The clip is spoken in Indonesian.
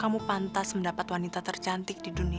kamu pantas mendapat wanita tercantik di dunia